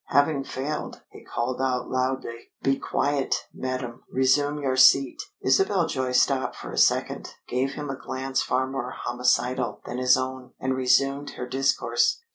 Having failed, he called out loudly: "Be quiet, madam. Resume your seat." Isabel Joy stopped for a second, gave him a glance far more homicidal than his own, and resumed her discourse.